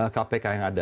kpk yang ada